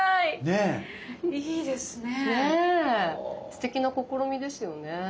すてきな試みですよね。